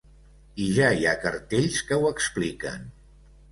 I ja hi ha cartells que ho expliquen.